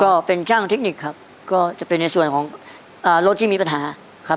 ก็เป็นช่างเทคนิคครับก็จะเป็นในส่วนของอ่ารถที่มีปัญหาครับ